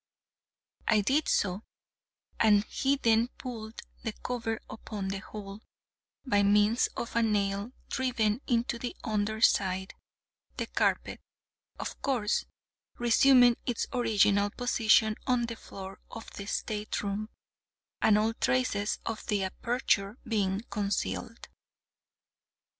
I did so, and he then pulled the cover upon the hole, by means of a nail driven into the under side—the carpet, of course, resuming its original position on the floor of the stateroom, and all traces of the aperture being concealed.